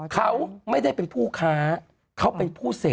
เขาไม่ได้เป็นผู้ค้าเขาเป็นผู้เสพ